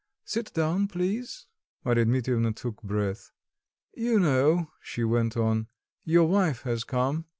Sit down, please," Marya Dmitrievna took breath. "You know," she went on, "your wife has come."